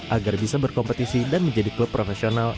agar bisa berkompetisi dan menjadi klub profesional